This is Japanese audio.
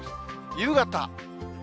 夕方。